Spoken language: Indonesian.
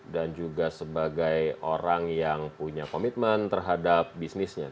dan juga sebagai orang yang punya komitmen terhadap bisnisnya